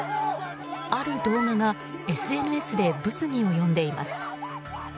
ある動画がＳＮＳで物議を呼んでいます。